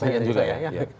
pertanyaan juga ya